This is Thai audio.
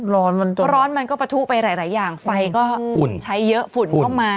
ร้อนร้อนมันก็ประทุไปหลายอย่างไฟก็ใช้เยอะฝุ่นก็มา